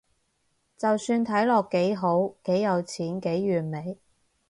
就算睇落幾好，幾有錢，幾完美